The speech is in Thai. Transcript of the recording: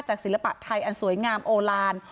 ศิลปะไทยอันสวยงามโอลาน